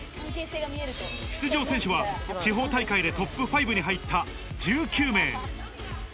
出場選手は、地方大会でトップ５に入った１９名。